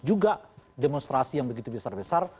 dan juga demonstrasi yang besar besar